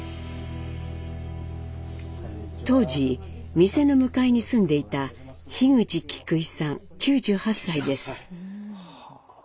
当時店の向かいに住んでいた樋口キクイさん９８歳です。